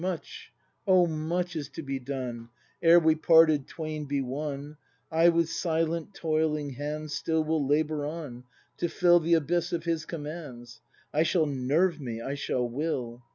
Much, oh, much is to be done Ere we parted twain be one. I with silent, toiling hands Still will labour on, to fill The abyss of his commands; I shall nerve me, I shall will.